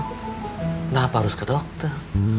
kenapa harus ke dokter